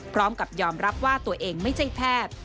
พร้อมกับยอมรับว่าตัวเองไม่ใช่แพทย์